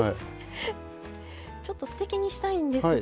ちょっとすてきにしたいんですが。